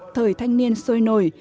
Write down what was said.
thời thanh niên sôi nổi